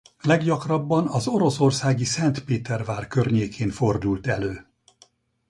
Leggyakrabban az oroszországi Szentpétervár környékén fordult elő.